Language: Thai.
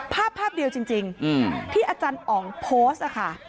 ภาพภาพเดียวจริงที่อาจารย์อ๋องโพสต์ค่ะ